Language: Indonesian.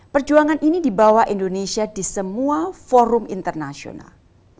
perjuangan ini dibawa indonesia di semua forum internasional